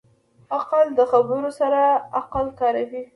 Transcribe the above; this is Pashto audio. عاقل د خبرو سره عقل کاروي.